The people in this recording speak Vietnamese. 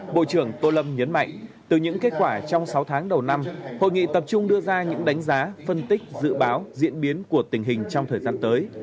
bộ trưởng tô lâm nhấn mạnh từ những kết quả trong sáu tháng đầu năm hội nghị tập trung đưa ra những đánh giá phân tích dự báo diễn biến của tình hình trong thời gian tới